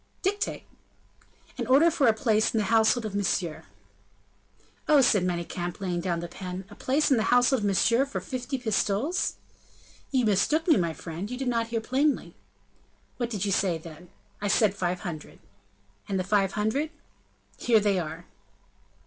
"Dictate!" "An order for a place in the household of Monsieur." "Oh!" said Manicamp, laying down the pen, "a place in the household of Monsieur for fifty pistoles?" "You mistook me, my friend; you did not hear plainly." "What did you say, then?" "I said five hundred." "And the five hundred?" "Here they are."